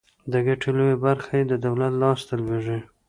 د ګټې لویه برخه یې د دولت لاس ته لویږي.